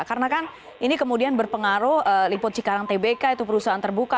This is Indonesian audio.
karena kan ini kemudian berpengaruh lipot cikarang tbk itu perusahaan terbuka